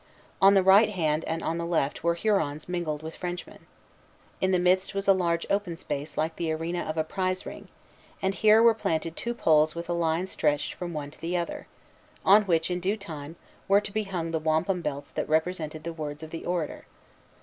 On the right hand and on the left were Hurons mingled with Frenchmen. In the midst was a large open space like the arena of a prize ring; and here were planted two poles with a line stretched from one to the other, on which, in due time, were to be hung the wampum belts that represented the words of the orator.